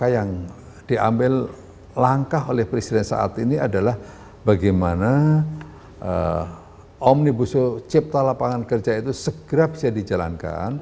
yang diambil langkah oleh presiden saat ini adalah bagaimana omnibus law cipta lapangan kerja itu segera bisa dijalankan